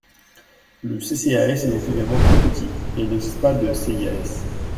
Le CCAS est donc également très petit, et il n’existe pas de CIAS.